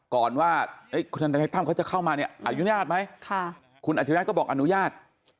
ก่อนว่าคุณธนัยตั้มเขาจะเข้ามาเนี่ยอนุญาตไหมคุณอัจฉริยะก็บอกอนุญาต